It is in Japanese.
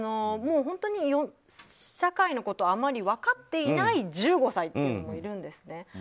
本当に社会のことはあまり分かっていない１５歳っていうのもいるんですね。